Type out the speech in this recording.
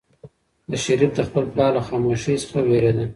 شریف د خپل پلار له خاموشۍ څخه وېرېده.